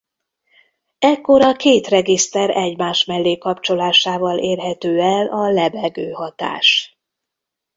Ekkor a két regiszter egymás mellé kapcsolásával érhető el a lebegő hatás.